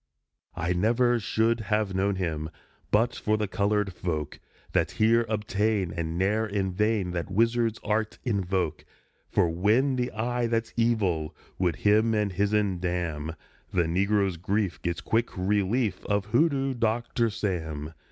_ I never should have known him But for the colored folk That here obtain And ne'er in vain That wizard's art invoke; For when the Eye that's Evil Would him and his'n damn, The negro's grief gets quick relief Of Hoodoo Doctor Sam.